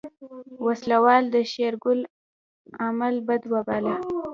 وسله وال د شېرګل عمل بد وباله.